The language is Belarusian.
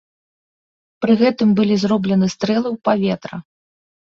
Пры гэтым былі зроблены стрэлы ў паветра.